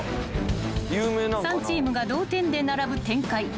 ［３チームが同点で並ぶ展開］